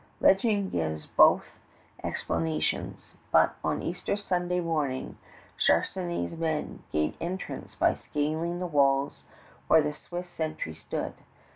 Legend gives both explanations; but on Easter Sunday morning Charnisay's men gained entrance by scaling the walls where the Swiss sentry stood.